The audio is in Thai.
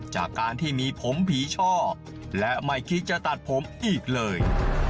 จากการที่มีผมผีช่อและไม่คิดจะตัดผมอีกเลย